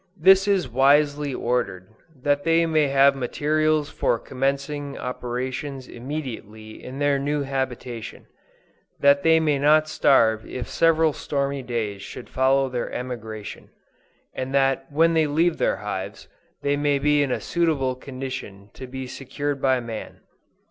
This is wisely ordered, that they may have materials for commencing operations immediately in their new habitation; that they may not starve if several stormy days should follow their emigration; and that when they leave their hives, they may be in a suitable condition to be secured by man.